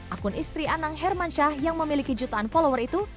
akun istri anang hermansyah yang memiliki jutaan follower itu